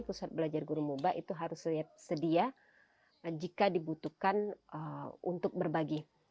pusat belajar guru moba itu harus sedia jika dibutuhkan untuk berbagi